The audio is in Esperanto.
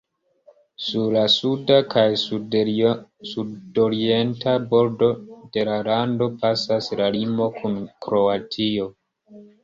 Sur la suda kaj sudorienta bordo de la lando pasas la limo kun Kroatio.